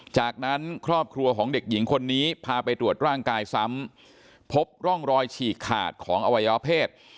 จากนั้นครอบครัวของเด็กหญิงคนนี้พาไปตรวจร่างกายซ้ำพบร่องรอยฉีกขาดของอวัยวะเพศ